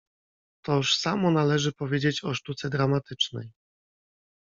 "Toż samo należy powiedzieć o sztuce dramatycznej."